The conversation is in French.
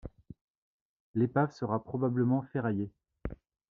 L'épave sera probablement ferraillée.